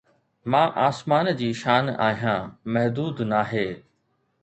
مان آسمان جي شان آهيان، محدود ناهي